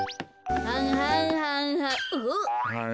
はんはんはんはん。あっ！